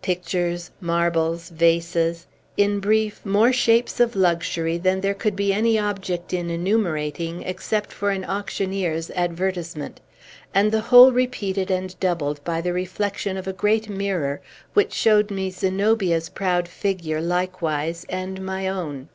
Pictures, marbles, vases, in brief, more shapes of luxury than there could be any object in enumerating, except for an auctioneer's advertisement, and the whole repeated and doubled by the reflection of a great mirror, which showed me Zenobia's proud figure, likewise, and my own.